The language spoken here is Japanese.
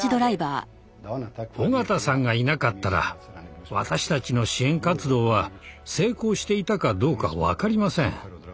緒方さんがいなかったら私たちの支援活動は成功していたかどうか分かりません。